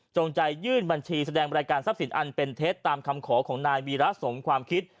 ใจยื่นบัญชีแสดงบริการทรัพย์สินอันเป็นเท็จตามคำขอของนายวีระสมความคิด